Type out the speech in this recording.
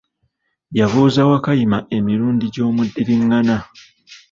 Yabuuza Wakayima emirundi gy'omuddiringana .